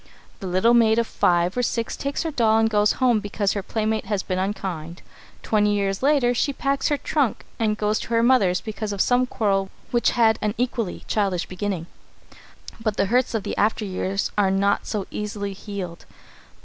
The little maid of five or six takes her doll and goes home because her playmates have been unkind. Twenty years later she packs her trunk and goes to her mother's because of some quarrel which had an equally childish beginning. But the hurts of the after years are not so easily healed.